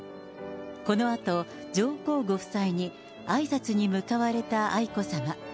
このあと、上皇ご夫妻にあいさつに向かわれた愛子さま。